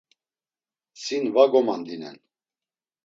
Sin va gomandinen.